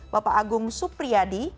bapak agung supriyadi